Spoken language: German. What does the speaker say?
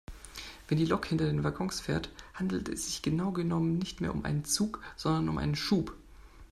Wenn die Lok hinter den Waggons fährt, handelt es sich genau genommen nicht mehr um einen Zug sondern um einen Schub.